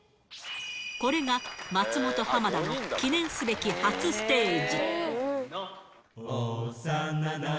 これが、松本・浜田の記念すべき初ステージ。